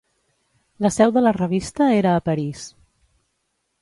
La seu de la revista era a París.